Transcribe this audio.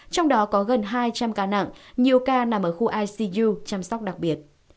trong đó có gần hai trăm linh ca nặng nhiều ca nằm ở khu icu chăm sóc đặc biệt